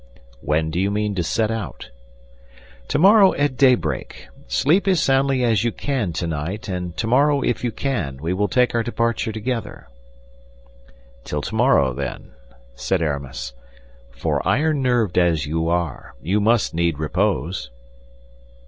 "When do you mean to set out?" "Tomorrow at daybreak. Sleep as soundly as you can tonight, and tomorrow, if you can, we will take our departure together." "Till tomorrow, then," said Aramis; "for iron nerved as you are, you must need repose."